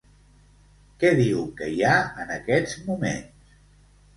Què diu que hi ha en aquests moments?